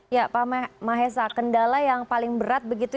ya pak mahesa kendala yang paling berat begitu